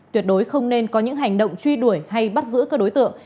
tuyệt đối không nên có những hành động truy đuổi hay bắt giữ các đối tượng